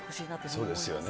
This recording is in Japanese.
そうですよね。